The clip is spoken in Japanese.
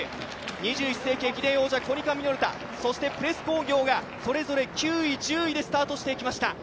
２１世紀、駅伝王者のコニカミノルタ、そしてプレス工業がそれぞれ９位、１０位でスタートしていきました。